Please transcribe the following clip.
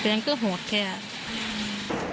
ยังคือโหดแค่นี้